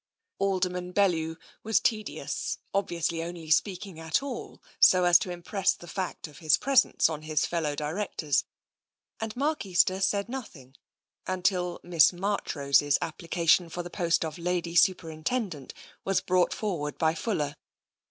Alderman Bellew was tedious, obviously only speak ing at all so as to impress the fact of his presence on his fellow directors, and Mark Easter said nothing, until Miss Marchrose's application for the post of Lady Superintendent was brought forward by Fuller.